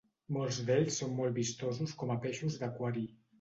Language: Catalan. Molts d'ells són molt vistosos com a peixos d'aquari.